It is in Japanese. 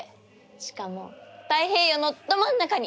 しかも太平洋のど真ん中に！